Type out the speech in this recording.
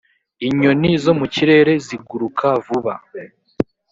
inyoni zo mu kirere ziguruka vuba